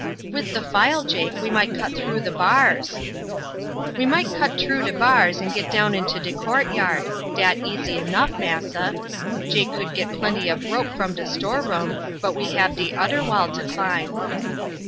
"With the file, Jake, we might cut through the bars." "We might cut t'rough de bars and git down into de courtyard; dat easy enough, massa. Jake could git plenty ob rope from de storeroom, but we hab de oder wall to climb."